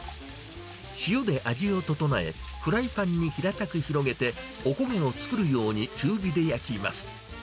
塩で味を調え、フライパンに平たく広げて、お焦げを作るように中火で焼きます。